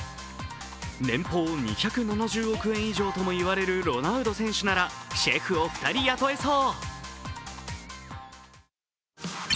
年俸２７０億円以上とも言われるロナウド選手ならシェフを２人雇えそう。